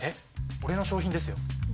俺の賞品ですよ？